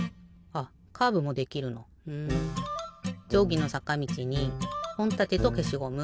じょうぎのさかみちにほんたてとけしごむ。